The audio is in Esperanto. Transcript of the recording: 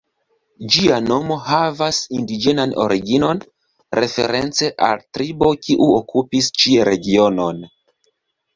Ĝia nomo havas indiĝenan originon, reference al tribo kiu okupis ĉi regionon.